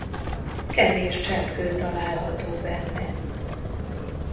Kevés cseppkő található benne.